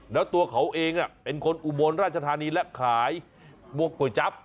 แล้วตัวเขาเองเป็นคนอุบลราชธานีและขายพวกก๋วยจั๊บ